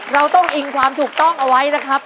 เราต้องอิงความถูกต้องเอาไว้นะครับ